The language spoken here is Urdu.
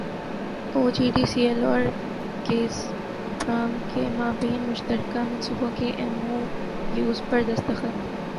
او جی ڈی سی ایل اور گیزپرام کے مابین مشترکہ منصوبوں کے ایم او یوز پر دستخط